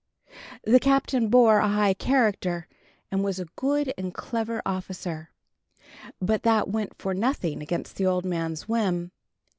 The Captain bore a high character, and was a good and clever officer, but that went for nothing against the old man's whim.